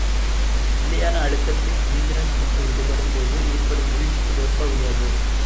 நிலையான அழுத்தத்தில் இணைதிறன் பிணைப்பு விடுபடும் போது ஏற்படும் உள்ளிட்டு வெப்ப உயர்வு.